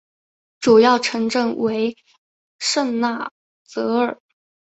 主要城镇为圣纳泽尔。